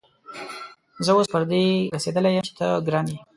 زه اوس پر دې رسېدلی يم چې ته ګرم يې.